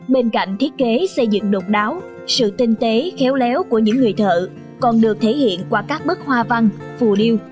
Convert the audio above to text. bên cạnh thiết kế xây dựng độc đáo sự tinh tế khéo léo của những người thợ còn được thể hiện qua các bức hoa văn phù điêu